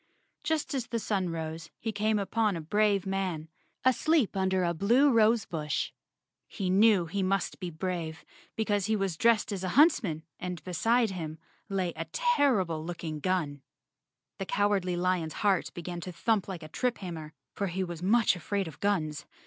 Just as the sun rose he came upon a brave man, asleep under a blue rose bush. He knew he must be brave, because he was dressed as a huntsman and be 114 _ Chapter Nine side him lay a terrible looking gun. The Cowardly Lion's heart began to thump like a triphammer, for he was much afraid of guns.